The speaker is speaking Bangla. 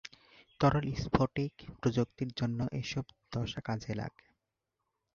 তরল স্ফটিক প্রযুক্তির জন্য এসব দশা কাজে লাগে।